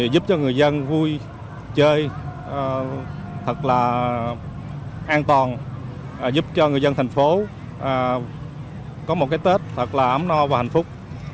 giúp cho người dân vui chơi thật là an toàn giúp cho người dân thành phố có một cái tết thật là ấm no và hạnh phúc